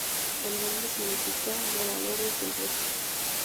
El nombre significa "moradores del bosque".